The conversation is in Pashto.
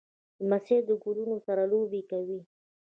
لمسی له ګلونو سره لوبې کوي.